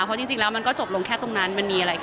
เพราะจริงแล้วมันก็จบลงแค่ตรงนั้นมันมีอะไรแค่